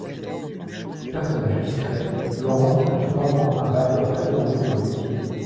Personnage discret, Laurent n’en reste pas moins un batteur très demandé dans le métier.